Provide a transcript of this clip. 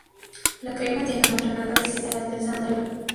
La crema tiene una fragancia parecida al del sándalo.